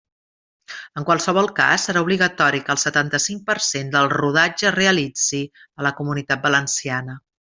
En qualsevol cas, serà obligatori que el setanta-cinc per cent del rodatge es realitze a la Comunitat Valenciana.